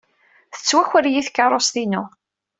Tettwaker-iyi tkeṛṛust-inu.